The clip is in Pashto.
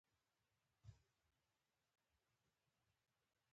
د قاضي لپاره څه شی اړین دی؟